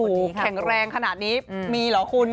โอ้โหแข็งแรงขนาดนี้มีเหรอคุณ